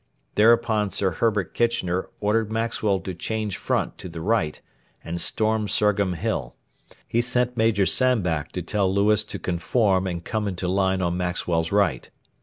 Thereupon Sir Herbert Kitchener ordered Maxwell to change front to the right and storm Surgham Hill. He sent Major Sandbach to tell Lewis to conform and come into line on Maxwell's right.